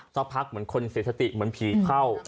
สักพักเหมือนคนเสียสติเหมือนผีเข้า